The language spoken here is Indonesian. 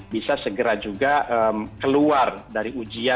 bisa segera juga keluar dari ujian ini ya